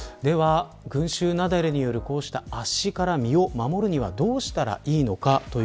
群衆雪崩による圧死から身を守るにはどうしたらいいのか。